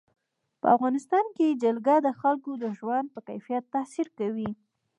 په افغانستان کې جلګه د خلکو د ژوند په کیفیت تاثیر کوي.